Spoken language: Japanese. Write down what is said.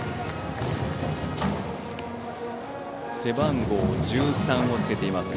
背番号１３をつけています。